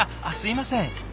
あっすいません。